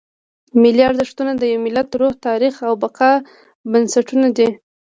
ملي ارزښتونه د یو ملت د روح، تاریخ او بقا بنسټونه دي.